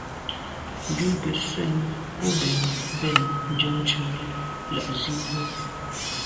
Njù be sène bo bèn mbèn njam ntùm la’ nzi bwe.